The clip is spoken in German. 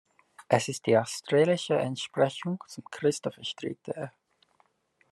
Es ist die australische Entsprechung zum Christopher Street Day.